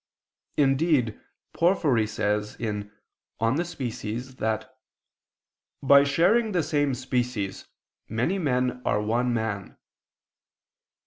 Indeed Porphyry says (Praedic., De Specie) that "by sharing the same species, many men are one man."